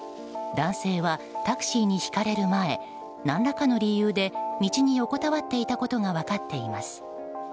男性はタクシーにひかれる前何らかの理由で道に横たわっていたことが分かっています。